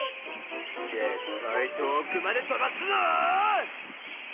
ぜったい遠くまで飛ばすぞ！